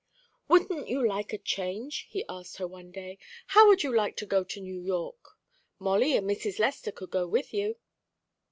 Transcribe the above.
"Wouldn't you like a change?" he asked her one day. "How would you like go to New York? Molly and Mrs. Lester could go with you."